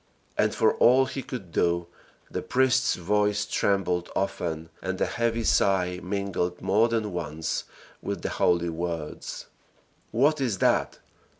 And for all he could do the priest's voice trembled often, and a heavy sigh mingled more than once with the holy words. What is that?